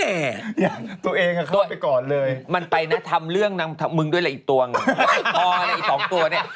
เนี่ยตัวเองอะเข้าไปก่อนเลยมันไปนะทำเรื่องมึงด้วยละอีกตัวเนี่ยพอละอีก๒ตัวเนี่ย